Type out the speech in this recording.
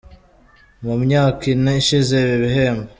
Mu myaka ine ishize ibi bihembo